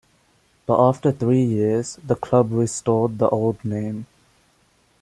But after three years, the club restored the old name.